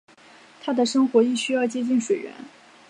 它们的生活亦需要接近水源。